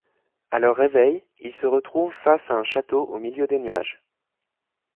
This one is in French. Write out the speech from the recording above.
À leur réveil, ils se retrouvent face à un château au milieu des nuages.